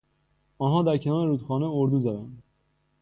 آنها در کنار رودخانه اردو زدند.